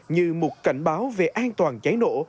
như một cảnh báo về an toàn cháy nổ